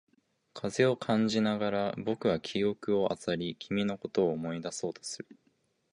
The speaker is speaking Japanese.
風を感じながら、僕は記憶を漁り、君のことを思い出そうとする。